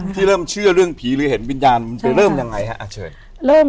ที่เริ่มเชื่อเรื่องผีหรือเห็นวิญญาณมันไปเริ่มยังไงฮะเชิญ